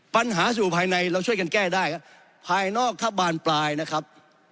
ปัญหาสู่ภายในเราช่วยกันแก้ได้ภายนอกถ้าบานปลายนะครับ